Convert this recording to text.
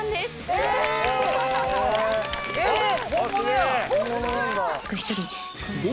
えっ！